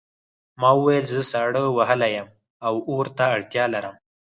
ما وویل زه ساړه وهلی یم او اور ته اړتیا لرم